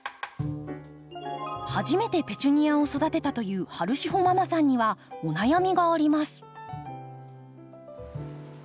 初めてペチュニアを育てたというはるしほママさんにはお悩みがあります。